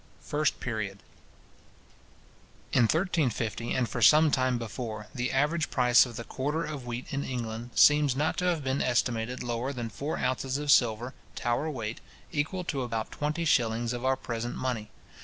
_ First Period.—In 1350, and for some time before, the average price of the quarter of wheat in England seems not to have been estimated lower than four ounces of silver, Tower weight, equal to about twenty shillings of our present money.